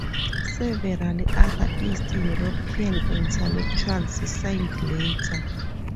Several other East European intellectuals signed later.